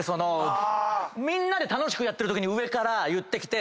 みんなで楽しくやってるときに上から言ってきて。